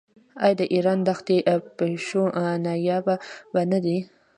آیا د ایران دښتي پیشو نایابه نه ده؟